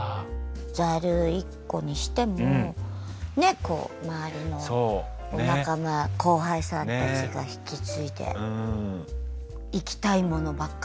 ザル１個にしてもねっこう周りのお仲間後輩さんたちが引き継いでいきたいものばっかりなんできっとね。